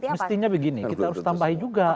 mestinya begini kita harus tambahin juga